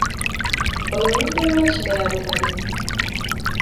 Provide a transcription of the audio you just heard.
Olwo lumbe lwa Kimera lwe balimu!